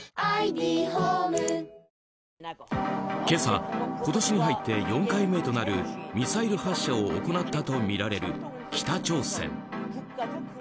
今朝、今年に入って４回目となるミサイル発射を行ったとみられる北朝鮮。